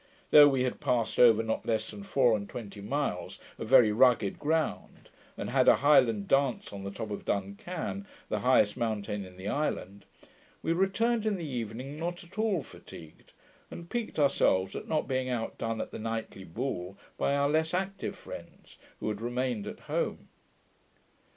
Though we had passed over not less than four and twenty miles of very rugged ground, and had a Highland dance on the top of Dun Can, the highest mountain in the island, we returned in the evening not at all fatigued, and piqued ourselves at not being outdone at the nightly ball by our less active friends, who had remained at home.